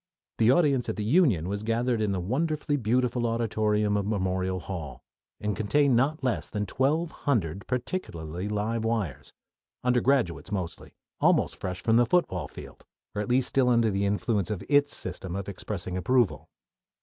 The audience at the Union was gathered in the wonderfully beautiful auditorium of Memorial Hall, and contained not less than twelve hundred particularly live wires, undergraduates mostly, almost fresh from the football field, or at least still under the influence of its system of expressing approval.